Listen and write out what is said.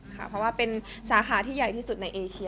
ค่ะเพราะว่าเป็นสาขาที่ใหญ่ที่สุดในเอเชีย